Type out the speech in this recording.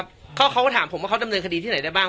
เขาก็ถามผมว่าเขาดำเนินคดีที่ไหนได้บ้าง